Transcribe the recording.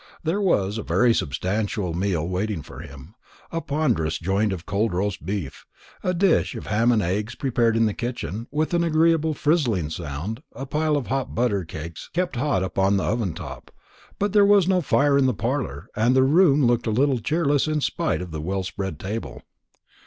There was a very substantial meal waiting for him: a ponderous joint of cold roast beef, a dish of ham and eggs preparing in the kitchen, with an agreeable frizzling sound, a pile of hot buttered cakes kept hot upon the oven top; but there was no fire in the parlour, and the room looked a little cheerless in spite of the well spread table.